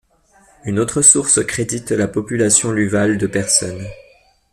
Une autre source crédite la population luvale de personnes.